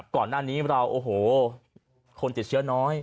ก่อนหน้านี้เราโอ้โหคนติดเชื้อน้อย